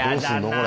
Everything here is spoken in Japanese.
これ。